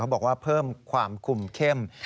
บอกว่าเพิ่มความคุมเข้ม